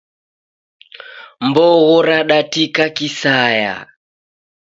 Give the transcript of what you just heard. Mbogho radatika kisaya